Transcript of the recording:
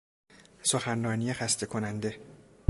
سخنرانی خسته کننده